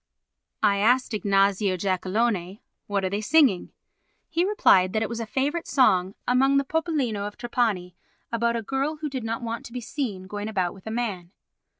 I asked Ignazio Giacalone: "What are they singing?" He replied that it was a favourite song among the popolino of Trapani about a girl who did not want to be seen going about with a man.